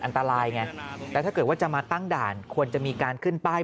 อันตรายไงแล้วถ้าเกิดว่าจะมาตั้งด่านควรจะมีการขึ้นป้าย